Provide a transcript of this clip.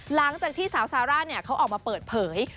หลังจากที่สาวซาร่าเขาออกมาเปิดเผย